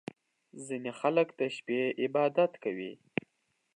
• ځینې خلک د شپې عبادت کوي.